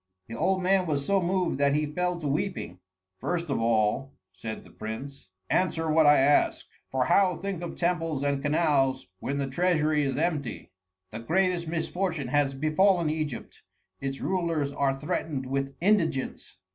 The old man was so moved that he fell to weeping. "First of all," said the prince, "answer what I ask; for how think of temples and canals when the treasury is empty? The greatest misfortune has befallen Egypt: its rulers are threatened with indigence.